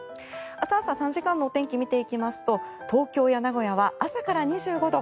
明日朝３時間のお天気を見ていきますと東京や名古屋は朝から２５度。